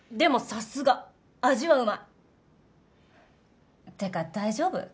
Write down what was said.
さすが味はうまいってか大丈夫？